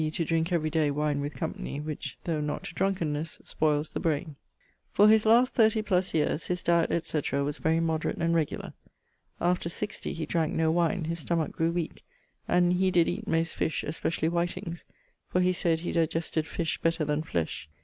to drinke every day wine with company, which, though not to drunkennesse, spoiles the braine. For his last 30+ yeares, his dyet, etc., was very moderate and regular. After sixty he dranke no wine, his stomach grew weak, and he did eate most fish, especially whitings, for he sayd he digested fish better then flesh.